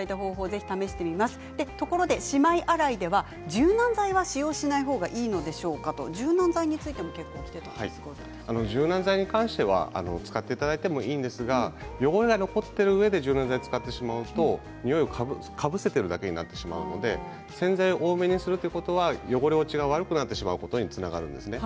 柔軟剤は使用しない方がいいんでしょうか？と柔軟剤に関しては使っていただいてもいいんですが汚れが残っているうえで柔軟剤を使ってしまうとニオイをかぶせているだけになってしまうので洗剤を多めにするということは汚れ落ちが悪くなってしまうことにつながります。